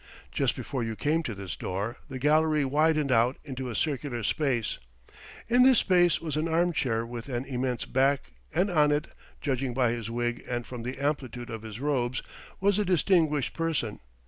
Just before you came to this door, the gallery widened out into a circular space. In this space was an armchair with an immense back, and on it, judging by his wig and from the amplitude of his robes, was a distinguished person.